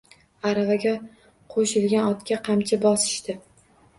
Aravaga qo‘shilgan otga qamchi bosishdi.